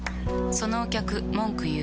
そのお客文句言う。